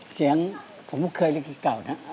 เสียงผมเคยเรียกเก่านะ